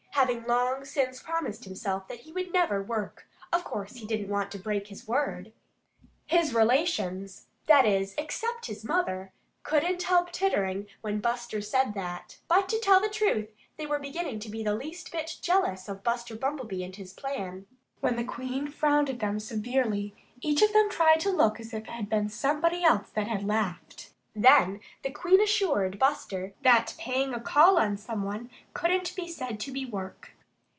Having long since promised himself that he would never work, of course he didn't want to break his word. His relations that is, except his mother couldn't help tittering when Buster said that. But to tell the truth, they were beginning to be the least bit jealous of Buster Bumblebee and his plan. When the Queen frowned at them severely, each of them tried to look as if it had been somebody else that laughed. Then the Queen assured Buster that paying a call on a person couldn't be said to be work.